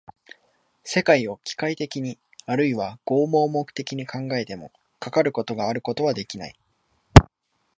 世界を機械的にあるいは合目的的に考えても、かかることがあることはできない。